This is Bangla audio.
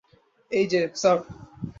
এইযে, স্যার।